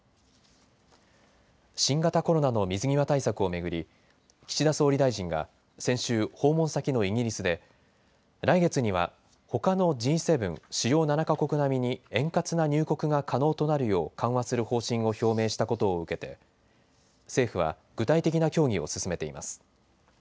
新型コロナの水際対策を巡り岸田総理大臣が先週、訪問先のイギリスで来月にはほかのＧ７・主要７か国並みに円滑な入国が可能となるよう緩和する方針を表明したことを受けて政府は具体的な協議を進めています。